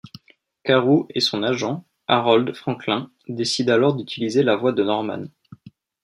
Carew et son agent, Harold Franklin, décident alors d'utiliser la voix de Norman.